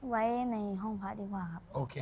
ไว้ในห้องพระดีกว่าครับ